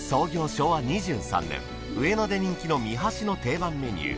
昭和２３年上野で人気のみはしの定番メニュー